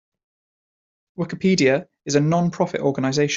Wikipedia is a non-profit organization.